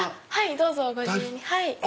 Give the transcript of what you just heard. どうぞご自由に。